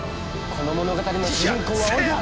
この物語の主人公は俺だ！